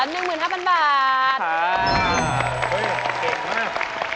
เฮ่ยเก่งมาก